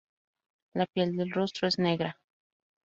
La piel del rostro es negra.